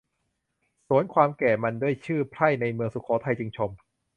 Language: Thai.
สวนความแก่มันด้วยซื่อ ไพร่ในเมืองสุโขทัยจึงชม